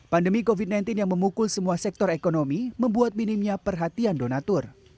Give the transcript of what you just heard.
pandemi covid sembilan belas yang memukul semua sektor ekonomi membuat minimnya perhatian donatur